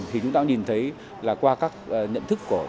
thì chúng ta nhìn thấy là qua các nhận thức